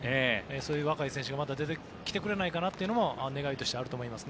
そういう若い選手がまた出てきてくれないかなというのも願いとしてあると思います。